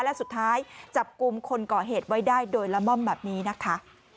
และสุดท้ายจับกลุ่มคนก่อเหตุไว้ได้โดยละม่อมแบบนี้นะคะ